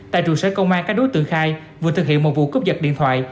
tại trụ sở công an các đối tượng khai vừa thực hiện một vụ cướp giật điện thoại